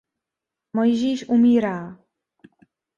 Mojžíš umírá.